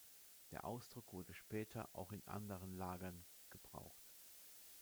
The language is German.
Der Ausdruck wurde später auch in anderen Lagern gebraucht.